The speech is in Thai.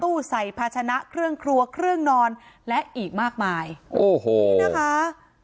ใส่ภาชนะเครื่องครัวเครื่องนอนและอีกมากมายโอ้โหนี่นะคะ